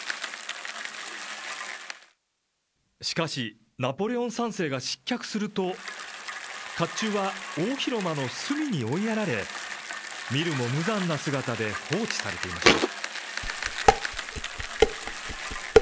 しかし、ナポレオン３世が失脚すると、かっちゅうは大広間の隅に追いやられ、見るも無残な姿で放置されていました。